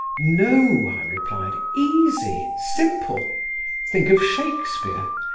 "No," I replied, "easy, simple. Think of Shakespeare.